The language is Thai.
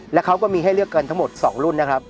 แล้วเขาก็มีให้เลือกกันทั้งหมด๒รุ่นนะครับ